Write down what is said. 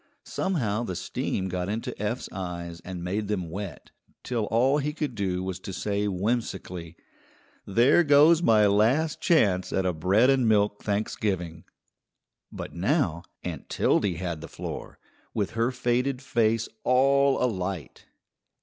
Somehow the steam got into Eph's eyes and made them wet, till all he could do was to say whimsically: "There goes my last chance at a bread and milk Thanksgiving." But now Aunt Tildy had the floor, with her faded face all alight.